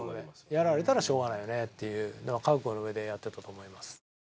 やられたらしょうがないよねっていうのは覚悟のうえでやってたと思います。